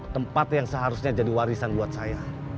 tempat yang seharusnya jadi warisan buat saya